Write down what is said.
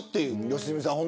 良純さん